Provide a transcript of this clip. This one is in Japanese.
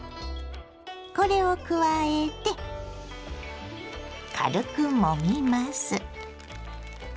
これを加えて軽くもみます。